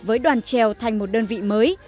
với đoàn trèo thành một đơn vị mới